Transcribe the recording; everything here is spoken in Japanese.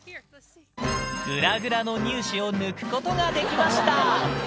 ぐらぐらの乳歯を抜くことができました。